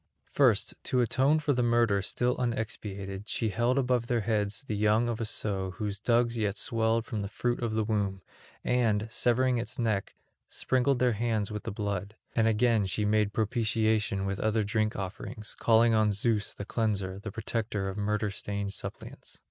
First, to atone for the murder still unexpiated, she held above their heads the young of a sow whose dugs yet swelled from the fruit of the womb, and, severing its neck, sprinkled their hands with the blood; and again she made propitiation with other drink offerings, calling on Zeus the Cleanser, the protector of murder stained suppliants.